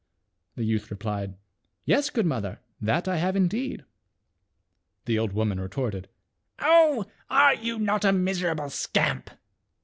" The youth replied, " Yes, good mother, that I have indeed." The old woman re torted, " Oh ! are you not a miserable scamp?"